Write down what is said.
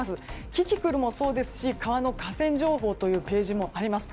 キキクルもそうですし川の河川情報というページもあります。